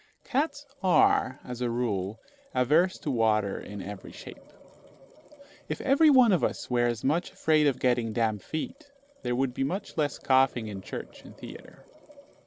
Cats are, as a rule, averse to water in every shape. If every one of us were as much afraid of getting damp feet, there would be much less coughing in church and theatre.